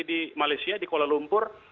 di malaysia di kuala lumpur